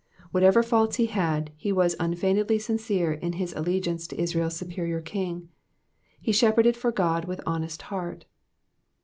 Whatever faults he had, he was unfeignedly sincere in his allegiance to Israel's superior king ; he shepherded for God with honest heart.